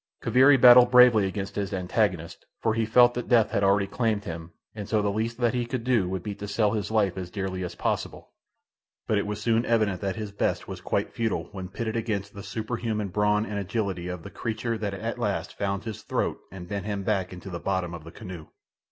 Kaviri battled bravely against his antagonist, for he felt that death had already claimed him, and so the least that he could do would be to sell his life as dearly as possible; but it was soon evident that his best was quite futile when pitted against the superhuman brawn and agility of the creature that at last found his throat and bent him back into the bottom of the canoe.